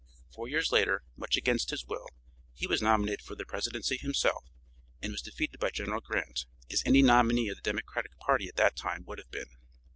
Four years later, much against his will, he was nominated for the presidency himself and was defeated by General Grant, as any nominee of the Democratic party at that time would have been.